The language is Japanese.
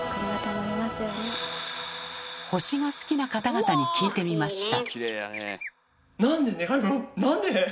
星が好きな方々に聞いてみました。